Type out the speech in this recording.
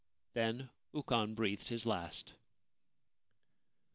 Then Ukon breathed his last.